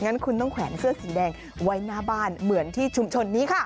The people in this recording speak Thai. งั้นคุณต้องแขวนเสื้อสีแดงไว้หน้าบ้านเหมือนที่ชุมชนนี้ค่ะ